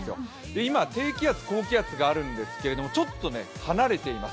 今、低気圧、高気圧があるんですけど、ちょっと離れています。